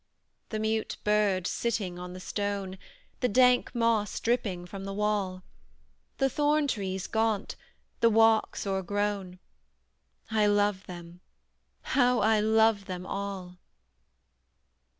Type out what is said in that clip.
The mute bird sitting on the stone, The dank moss dripping from the wall, The thorn trees gaunt, the walks o'ergrown, I love them how I love them all!